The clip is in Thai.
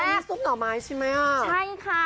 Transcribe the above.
โหนินทุกหหน่าวไมซ์สิมัยใช่ค่ะ